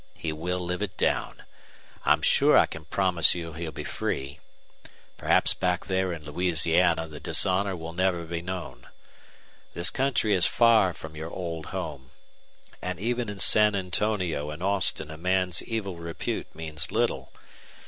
He will live it down. I'm sure I can promise you he'll be free. Perhaps back there in Louisiana the dishonor will never be known. This country is far from your old home. And even in San Antonio and Austin a man's evil repute means little.